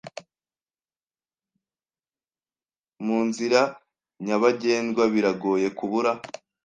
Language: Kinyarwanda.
munzira nyabagendwa, biragoye kubura.